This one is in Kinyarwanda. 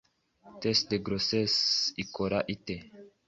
test de grossesse ikora ite